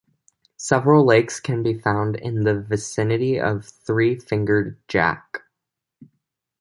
Several lakes can be found in the vicinity of Three Fingered Jack.